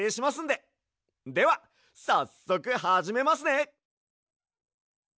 ではさっそくはじめますね！